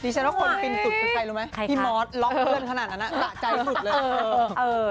ดิฉันว่าคนฟินสุดสุดใกล้รู้ไหมพี่มอสล๊อคเรื่องขนาดนั้นน่ะตะใจสุดเลย